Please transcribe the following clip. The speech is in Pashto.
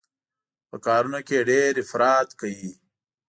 په کارونو کې يې ډېر افراط کوي.